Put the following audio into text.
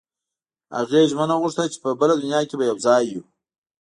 هغې ژمنه وغوښته چې په بله دنیا کې به یو ځای وو